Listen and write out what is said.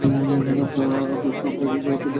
আমরা কি করতে পারব?